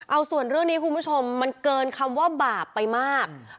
เอาส่วนเรื่องนี้คุณผู้ชมมันเกินคำว่าบาปไปมาก